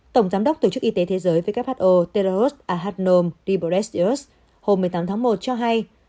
tổng giám đốc tổ chức y tế thế giới who teros ahadnom triboresios hôm một mươi tám tháng một cho hay